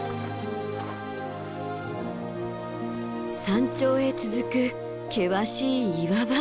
山頂へ続く険しい岩場。